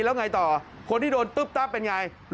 แล้วไงต่อคนที่โดนตุ๊บตั๊บเป็นอย่างไร